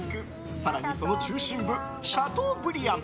更に、その中心部シャトーブリアン。